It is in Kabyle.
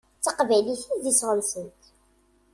D taqbaylit i d iseɣ-nsent.